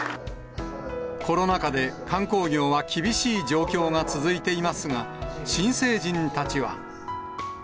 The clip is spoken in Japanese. コロナ禍で観光業は厳しい状況が続いていますが、新成人たちは。